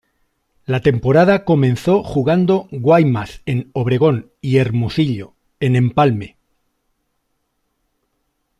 La temporada comenzó jugando Guaymas en Obregón y Hermosillo en Empalme.